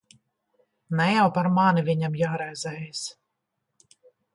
Ne jau par mani viņam jāraizējas.